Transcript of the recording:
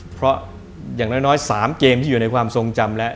เพราะอย่างน้อย๓เกมที่อยู่ในความทรงจำแล้ว